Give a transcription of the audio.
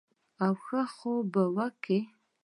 او ښۀ خوب به کوي -